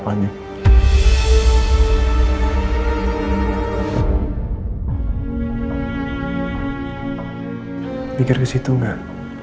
pikir ke situ gak